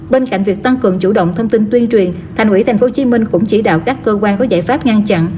bên cạnh việc tăng cường chủ động thông tin tuyên truyền thành ủy tp hcm cũng chỉ đạo các cơ quan có giải pháp ngăn chặn